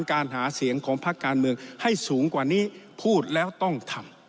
การหาเสียงของพักการเมืองให้สูงกว่านี้พูดแล้วต้องทำ